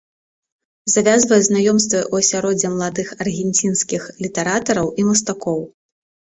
Завязвае знаёмствы ў асяроддзі маладых аргенцінскіх літаратараў і мастакоў.